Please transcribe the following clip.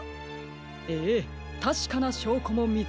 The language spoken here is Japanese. ええたしかなしょうこもみつけました。